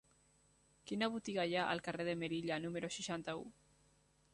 Quina botiga hi ha al carrer de Melilla número seixanta-u?